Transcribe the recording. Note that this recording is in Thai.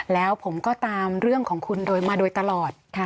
แล้วผมก็ตามเรื่องของคุณโดยมาโดยตลอด